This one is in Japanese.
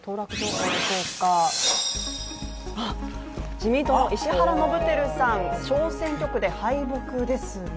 自民党の石原伸晃さん、小選挙区で敗北ですね。